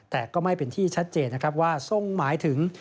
แต่ก็ไม่เป็นที่ชัดเจนนะครับว่าทรงหมายถึง